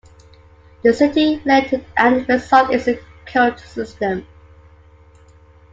The city relented and the result is the current system.